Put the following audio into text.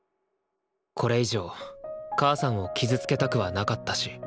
これ以上母さんを傷つけたくはなかったし。